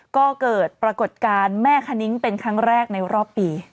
ก็เกิดปรากฏการณ์แม่คณิ้งเป็นครั้งแรกในรอบปี